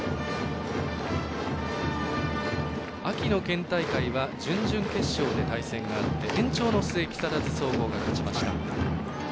秋の県大会は準々決勝で対戦があって延長の末木更津総合が勝ちました。